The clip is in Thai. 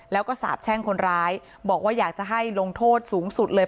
แล้วก็สาบแช่งคนร้ายบอกว่าอยากจะให้ลงโทษสูงสุดเลย